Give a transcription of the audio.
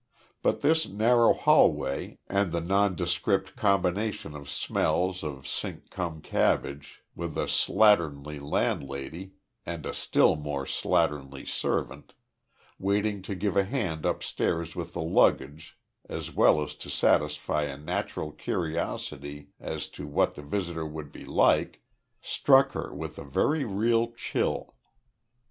But this narrow hallway and the nondescript combination of smells of sink cum cabbage, with a slatternly landlady and a still more slatternly servant, waiting to give a hand upstairs with the luggage as well as to satisfy a natural curiosity as to what the visitor would be like, struck her with a very real chill.